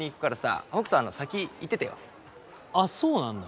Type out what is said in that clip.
あっそうなんだ。